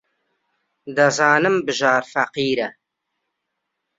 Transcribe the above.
دەزانم بژار فەقیرە.